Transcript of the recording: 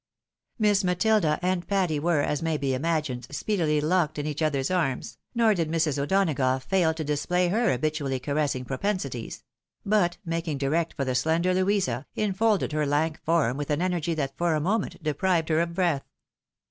Miss Matilda and Patty were, as may be imagined, speedily locked in each other's arms, nor did Mrs. O'Donagough fail to display her habitually caressing propensities ; but, making direct for the slender Louisa, infolded her lank form with an energy that for a moment deprived her of breath.